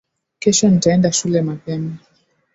Kesho ntaenda shule mapema